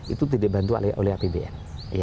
itu dibantu oleh apbn